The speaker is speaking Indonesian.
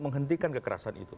menghentikan kekerasan itu